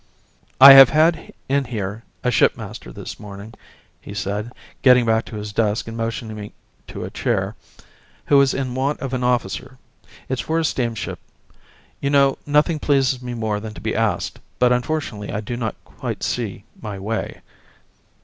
"I have had in here a shipmaster, this morning," he said, getting back to his desk and motioning me to a chair, "who is in want of an officer. It's for a steamship. You know, nothing pleases me more than to be asked, but unfortunately I do not quite see my way.